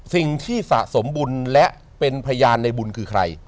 สิ่งที่สะสมบุญและเป็นพยานในบุญคือใคร